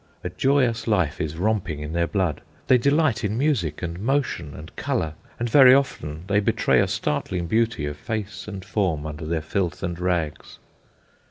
A joyous life is romping in their blood. They delight in music, and motion, and colour, and very often they betray a startling beauty of face and form under their filth and rags.